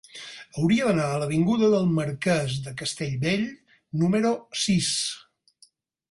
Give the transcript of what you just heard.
Hauria d'anar a l'avinguda del Marquès de Castellbell número sis.